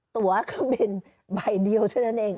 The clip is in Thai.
ตัวก็เป็นใบเดียวเท่านั้นเอง